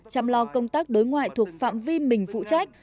chăm lo công tác đối ngoại thuộc phạm vi mình phụ trách